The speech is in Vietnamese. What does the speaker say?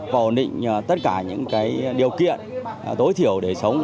ổn định tất cả những điều kiện tối thiểu để sống